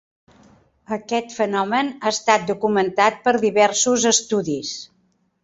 Aquest fenomen ha estat documentat per diversos estudis.